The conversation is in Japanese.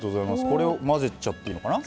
これを混ぜちゃっていいのかな。